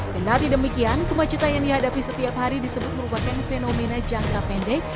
kendati demikian kemacetan yang dihadapi setiap hari disebut merupakan fenomena jangka pendek